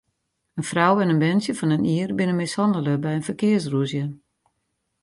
In frou en in berntsje fan in jier binne mishannele by in ferkearsrûzje.